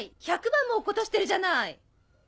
１００番も落っことしてるじゃない！